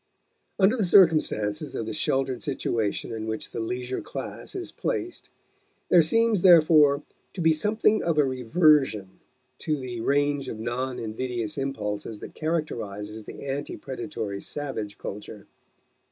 Under the circumstances of the sheltered situation in which the leisure class is placed there seems, therefore, to be something of a reversion to the range of non invidious impulses that characterizes the ante predatory savage culture.